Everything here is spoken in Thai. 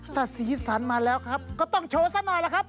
ถ้าสีสันมาแล้วครับก็ต้องโชว์ซะหน่อยล่ะครับ